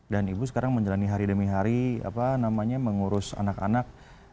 dan ibu sekarang menjalani hari demi hari mengurus anak anak